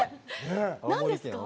何ですか？